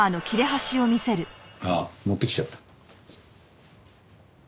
ああ持ってきちゃった。